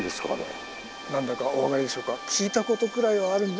何だかお分かりでしょうか？